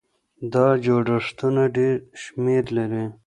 دا جوړښتونه ډېر شمېر لري.